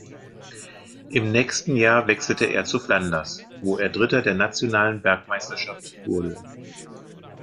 Im nächsten Jahr wechselte er zu Flanders, wo er Dritter der nationalen Bergmeisterschaft wurde.